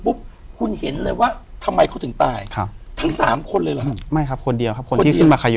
พร้อมคุณภาพที่จะตาย